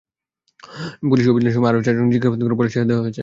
পুলিশি অভিযানের সময় আরও চারজনকে জিজ্ঞাসাবাদ করা হলেও পরে ছেড়ে দেওয়া হয়েছে।